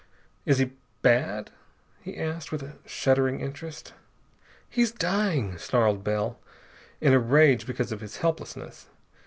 "Is he bad?" he asked with a shuddering interest. "He's dying!" snarled Bell, in a rage because of his helplessness.